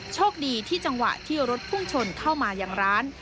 โชคดีที่จังหวะที่รถพุ่งชนเข้ามาอย่างร้าน